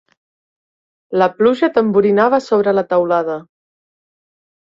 La pluja tamborinava sobre la teulada.